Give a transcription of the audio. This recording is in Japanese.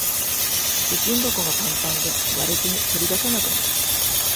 貯金箱がパンパンで割れずに取り出せなくなる